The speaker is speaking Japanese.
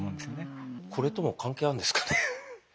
これとも関係あるんですかね。